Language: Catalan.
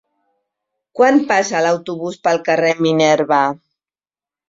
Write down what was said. Quan passa l'autobús pel carrer Minerva?